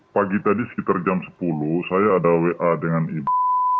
pagi tadi sekitar jam sepuluh saya ada wa dengan ibu